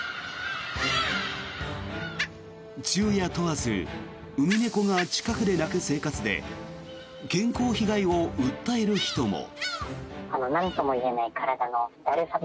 昼夜問わずウミネコが近くで鳴く生活で健康被害を訴える人も。